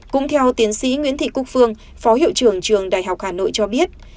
cũng theo tiến sĩ nguyễn thị cúc phương phó hiệu trưởng trường đại học hà nội cho biết